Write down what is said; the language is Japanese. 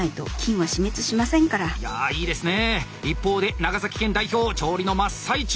一方で長崎県代表調理の真っ最中。